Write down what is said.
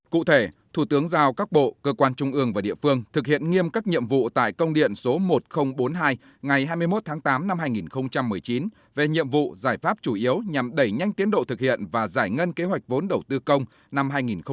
cụ thể thủ tướng giao các bộ cơ quan trung ương và địa phương thực hiện nghiêm các nhiệm vụ tại công điện số một nghìn bốn mươi hai ngày hai mươi một tháng tám năm hai nghìn một mươi chín về nhiệm vụ giải pháp chủ yếu nhằm đẩy nhanh tiến độ thực hiện và giải ngân kế hoạch vốn đầu tư công năm hai nghìn hai mươi